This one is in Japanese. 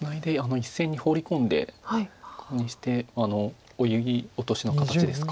１線にホウリ込んでコウにしてオイオトシの形ですか。